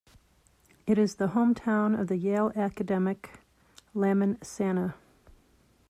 It is the hometown of the Yale academic Lamin Sanneh.